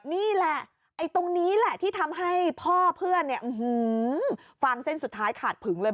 นี่แหละไอ้ตรงนี้แหละที่ทำให้พ่อเพื่อนเนี่ยฟังเส้นสุดท้ายขาดผึงเลย